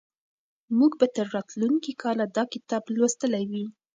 موږ به تر راتلونکي کاله دا کتاب لوستلی وي.